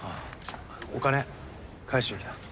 お金返しに来た。